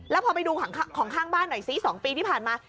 แล้วพอไปดูของข้างบ้านหน่อยซิ๒ปีที่ผ่านมา